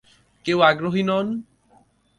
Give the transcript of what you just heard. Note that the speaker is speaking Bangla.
কেউ আগ্রহী নন?